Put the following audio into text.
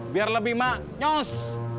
biar lebih maknyos